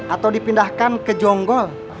atau dipindahkan ke jonggol